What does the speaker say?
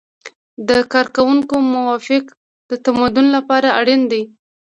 د کارکوونکي موافقه د تمدید لپاره اړینه ده.